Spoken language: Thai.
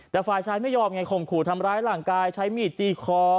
แต่ฝ่ายชายไม่ยอมไงข่มขู่ทำร้ายร่างกายใช้มีดจี้คอ